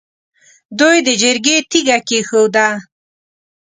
دوی د جرګې تیګه کېښووه.